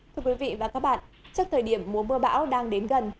thưa quý vị và các bạn trước thời điểm mùa mưa bão đang đến gần